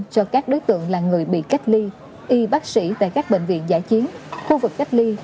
cho các đối tượng là người bị cách ly y bác sĩ tại các bệnh viện giải chiến khu vực cách ly